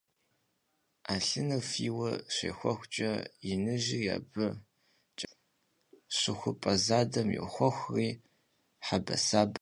'elhınır fiyue şêxuexç'e yinıjri abı ç'elhojje, şıxup'e zadem yoxuexri hebesabeu yêuç'.